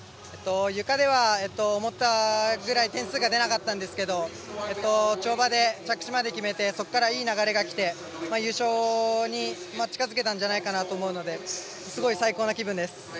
ゆかでは思ったぐらいの点数が出なかったんですけど跳馬で着地まで決めてそこからいい流れが来て優勝に近づけたんじゃないかなと思うのですごい最高の気分です。